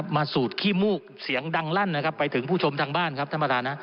สูดขี้มูกเสียงดังลั่นนะครับไปถึงผู้ชมทางบ้านครับท่านประธาน